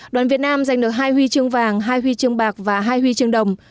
đoàn việt nam giành được hai huy chương vàng hai huy chương bạc và hai huy chương đồng